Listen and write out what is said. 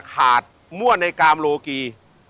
ขาดมั่วในกามโลกี